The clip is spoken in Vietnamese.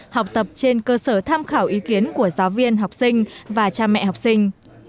học tập trên cơ sở tham khảo ý kiến của giáo viên học sinh và cha mẹ học sinh